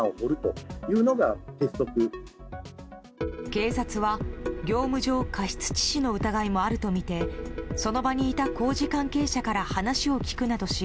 警察は業務上過失致死の疑いもあるとみてその場にいた工事関係者から話を聞くなどし